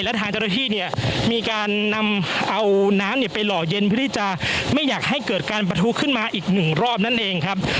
และทางเจ้าหน้าที่เนี่ยมีการนำเอาน้ำเนี่ยไปหล่อเย็นเพื่อที่จะไม่อยากให้เกิดการประทุขึ้นมาอีกหนึ่งรอบนั่นเองครับ